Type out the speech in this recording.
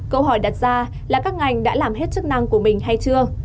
câu hỏi đặt ra là các ngành đã làm hết chức năng của mình hay chưa